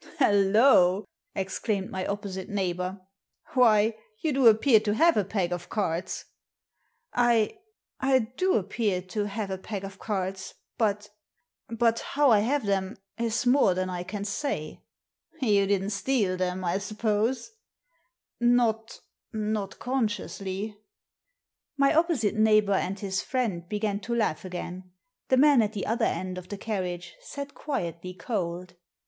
" Hallo!" exclaimed my opposite neighbour. "Why — ^you do appear to have a pack of c^rds I " F Digitized by VjOOQIC 6S THE SEEN AND THE UNSEEN I — I do appear to have a pack of cards ; ^ut — but how I have them is more than I can say." "You didn't steal them, I suppose?" " Not — not consciously." My opposite neighbour and his friend began to laugh again. The man at the other end of the carriage sat quietly cold.